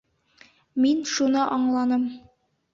Мин шуны аңланым.